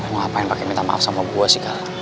ngapain pake minta maaf sama gue sih kal